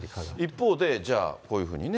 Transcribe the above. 一方で、じゃあ、こういうふうにね。